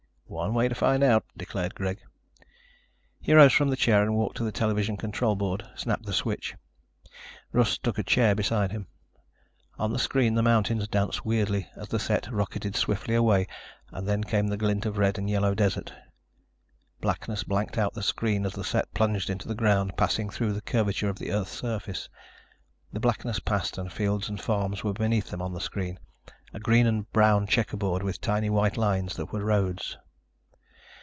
"One way to find out," declared Greg. He rose from the chair and walked to the television control board, snapped the switch. Russ took a chair beside him. On the screen the mountains danced weirdly as the set rocketed swiftly away and then came the glint of red and yellow desert. Blackness blanked out the screen as the set plunged into the ground, passing through the curvature of the Earth's surface. The blackness passed and fields and farms were beneath them on the screen, a green and brown checkerboard with tiny white lines that were roads.